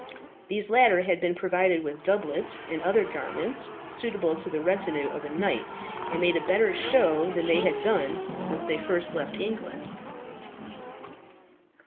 These latter had been provided with doublets and other garments suitable to the retinue of a knight, and made a better show than they had done since they first left England.